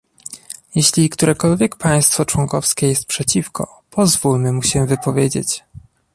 Jeśli którekolwiek państwo członkowskie jest przeciwko, pozwólmy mu się wypowiedzieć